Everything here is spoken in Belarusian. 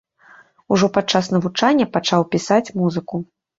Ужо падчас навучання пачаў пісаць музыку.